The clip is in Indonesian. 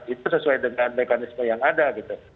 itu sesuai dengan mekanisme yang ada gitu